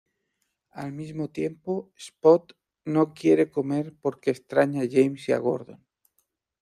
Al mismo tiempo, Spot no quiere comer porque extraña a James y a Gordon.